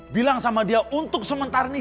bilang sama dia untuk sementara ini